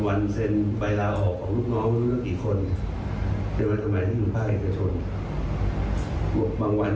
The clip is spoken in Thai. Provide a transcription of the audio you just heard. วันเซ็นใบราวออกของลูกน้องไม่รู้กันกี่คน